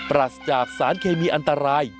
รัสจากสารเคมีอันตราย